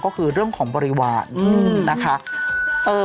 ก็คือเรื่องของบริวารนะคะ